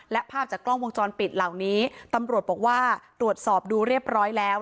และภาพจากกล้องวงจรปิดเหล่านี้ตำรวจบอกว่าตรวจสอบดูเรียบร้อยแล้ว